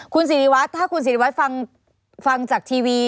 คุณสิริวัตรถ้าคุณศิริวัตรฟังจากทีวี